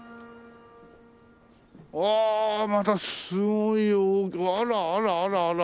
うわまたすごいあらあらあらあら。